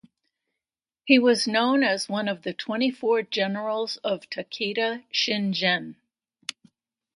He was known as one of the "Twenty-Four Generals of Takeda Shingen".